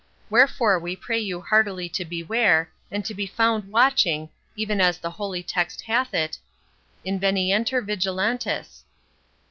Wherefore we pray you heartily to beware, and to be found watching, even as the Holy Text hath it, 'Invenientur vigilantes'.